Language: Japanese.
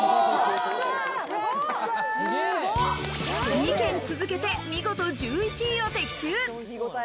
２軒続けて見事１１位を的中。